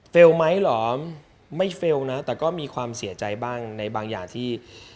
ไหมเหรอไม่เฟลล์นะแต่ก็มีความเสียใจบ้างในบางอย่างที่